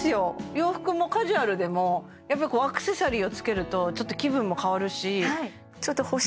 洋服もカジュアルでもやっぱりアクセサリーを着けるとちょっと気分も変わるし